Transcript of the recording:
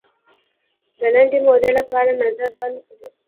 د لنډې مودې لپاره نظر بند کړ.